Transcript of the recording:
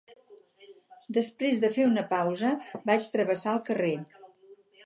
Després de fer una pausa, vaig travessar el carrer